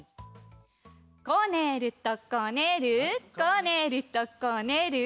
こねるとこねるこねるとこねる。